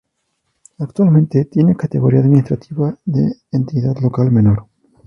Actualmente tiene categoría administrativa de Entidad Local Menor.